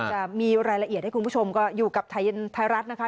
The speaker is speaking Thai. จะมีรายละเอียดให้คุณผู้ชมก็อยู่กับไทยรัฐนะคะ